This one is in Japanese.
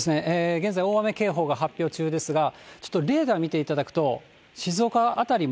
現在、大雨警報が発表中ですが、ちょっとレーダー見ていただくと、静岡辺りも。